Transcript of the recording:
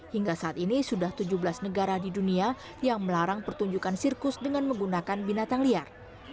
hingga saat ini sudah tujuh belas negara di dunia yang melarang pertunjukan sirkus dengan menggunakan binatang liar